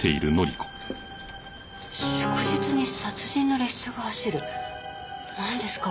「祝日に殺人の列車が走る」なんですか？